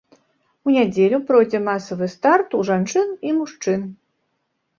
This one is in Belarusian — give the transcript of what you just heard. У нядзелю пройдзе масавы старт у жанчын і мужчын.